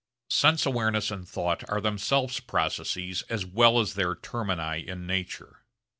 Sense awareness and thought are themselves processes as well as their termini in nature.